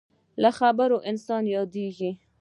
له خبرو انسان یادېږي.